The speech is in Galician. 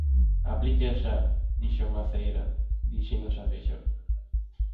Aplíquea xa!, dixo Maceira dirixíndose a Feixóo.